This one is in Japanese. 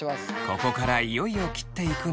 ここからいよいよ切っていくのですが。